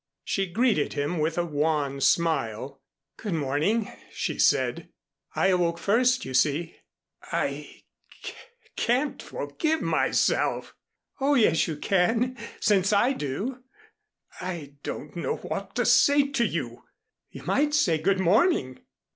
She greeted him with a wan smile. "Good morning," she said. "I awoke first, you see." "I c can't forgive myself." "Oh, yes, you can, since I do." "I don't know what to say to you." "You might say 'good morning.